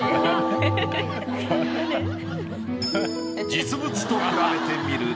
実物と比べてみると。